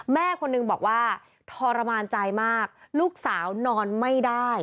แม่คนนึงบอกว่าทรมานใจมากลูกสาวนอนไม่ได้